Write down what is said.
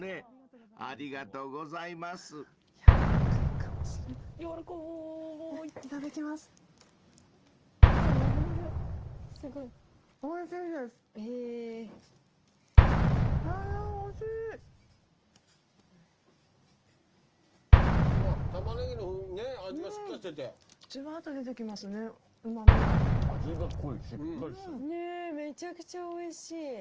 ねっめちゃくちゃおいしい。